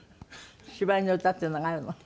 芝居の歌っていうのがあるの？